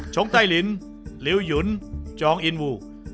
ชงใต้ลิ้นลิวหยุนจองอินวู